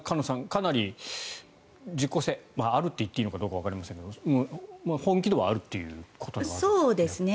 かなり、実効性があるといっていいのかわかりませんが本気度はあるということですかね。